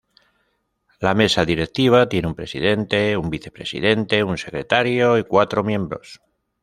La mesa directiva tiene un presidente, un vicepresidente, un secretario, y cuatro miembros.